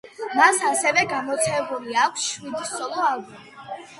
მას ასევე გამოცემული აქვს შვიდი სოლო ალბომი.